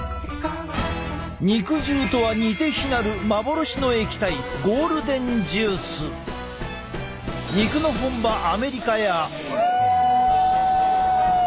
肉汁とは似て非なる幻の液体肉の本場アメリカや。